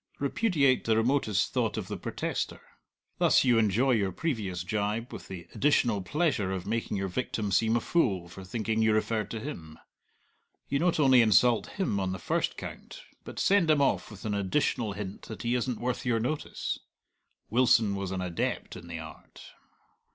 Repudiate the remotest thought of the protester. Thus you enjoy your previous gibe, with the additional pleasure of making your victim seem a fool for thinking you referred to him. You not only insult him on the first count, but send him off with an additional hint that he isn't worth your notice. Wilson was an adept in the art.